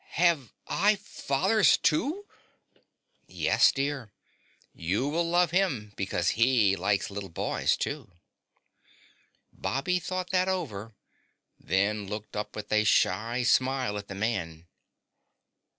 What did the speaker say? "Have I fathers, too?" "Yes, dear. You will love him because he likes little boys, too." Bobby thought that over, then looked up with a shy smile at the man.